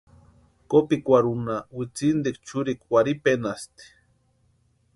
Kopikwarhunha witsintikwa churikwa warhiperanhasti.